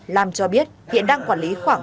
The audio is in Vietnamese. lam cho biết hiện đang quản lý khoảng